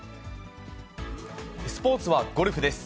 スポーツはゴルフです。